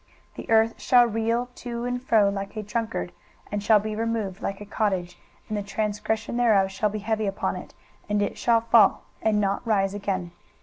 23:024:020 The earth shall reel to and fro like a drunkard, and shall be removed like a cottage; and the transgression thereof shall be heavy upon it; and it shall fall, and not rise again.